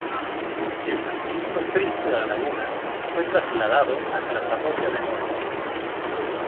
El Santísimo Cristo de La Laguna fue trasladado hasta la parroquia de Ntra.